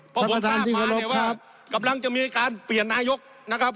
เพราะผมทราบมาเนี่ยว่ากำลังจะมีการเปลี่ยนนายกนะครับ